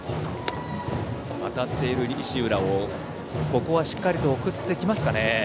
当たっている石浦ですがここはしっかりと送ってきますか。